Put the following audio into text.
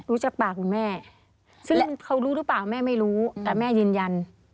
จากปากคุณแม่ซึ่งเขารู้หรือเปล่าแม่ไม่รู้แต่แม่ยืนยัน